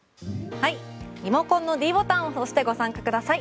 リモコンのｄボタンを押してご参加ください。